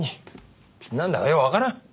なんだかようわからん。